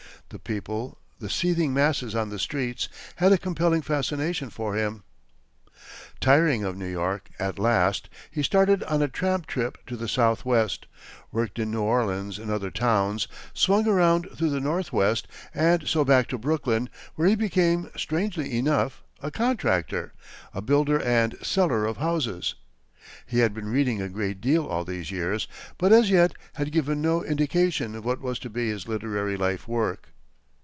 The people, the seething masses on the streets, had a compelling fascination for him. Tiring of New York, at last, he started on a tramp trip to the southwest, worked in New Orleans and other towns, swung around through the northwest, and so back to Brooklyn, where he became, strangely enough, a contractor a builder and seller of houses. He had been reading a great deal, all these years, but as yet had given no indication of what was to be his literary life work.